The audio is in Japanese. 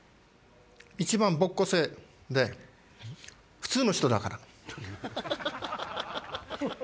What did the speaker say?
・一番没個性で普通の人だから。